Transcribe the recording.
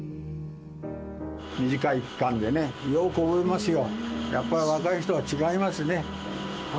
短い期間でよく覚えますよ。